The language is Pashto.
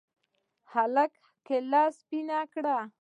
هلك کېله سپينه کړه.